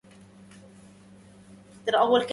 بتوقيعي للعقد، ألزمت نفسي بالعمل هناك لخمس سنوات أخرى.